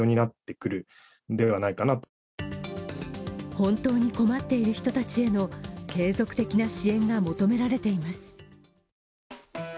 本当に困っている人たちへの継続的な支援が求められています。